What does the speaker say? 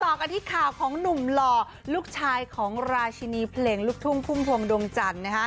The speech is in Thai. ต่อกันที่ข่าวของหนุ่มหล่อลูกชายของราชินีเพลงลูกทุ่งพุ่มพวงดวงจันทร์